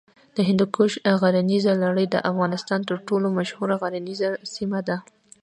د هندوکش غرنیزه لړۍ د افغانستان تر ټولو مشهوره غرنیزه سیمه ده.